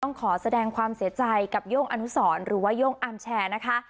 ขอแสดงความเสียใจกับโย่งอนุสรหรือว่าโย่งอาร์มแชร์นะคะ